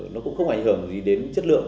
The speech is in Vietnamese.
nó cũng không ảnh hưởng gì đến chất lượng